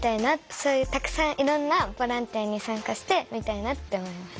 そういうたくさんいろんなボランティアに参加してみたいなって思いました。